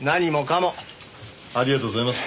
ありがとうございます。